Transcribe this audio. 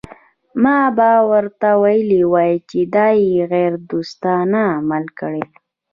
ما به ورته ویلي وای چې دا یې غیر دوستانه عمل کړی.